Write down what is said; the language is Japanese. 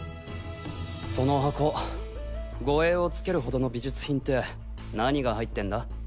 その箱護衛をつけるほどの美術品って何が入ってんだ？